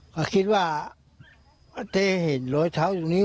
ก็คิดว่าถ้าเธอเห็นรอยเท้าอยู่นี้